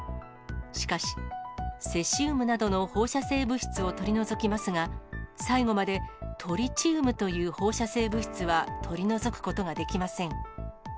しかし、セシウムなどの放射性物質を取り除きますが、最後までトリチウムという放射性物質は取り除くことができません。